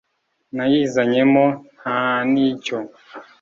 nayizanyemo, nta n'icyo